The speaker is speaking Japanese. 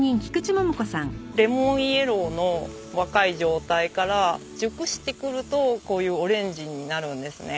レモンイエローの若い状態から熟してくるとこういうオレンジになるんですね。